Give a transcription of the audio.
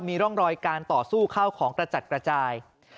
มีร่องรอยการต่อสู้เข้าของกระจัดกระจาย